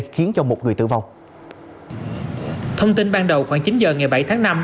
thông tin ban đầu khoảng chín h ngày bảy tháng năm